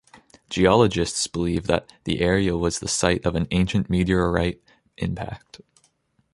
Geologists believe that the area was the site of an ancient meteorite impact.